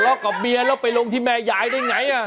อืมหลอกกับเบียนแล้วไปลงที่แม่ยายได้ไงอ่ะ